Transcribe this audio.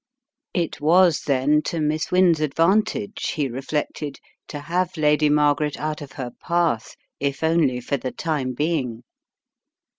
It was then to Miss Wynne's advantage, he re flected, to have Lady Margaret out of her path, if only for the time being.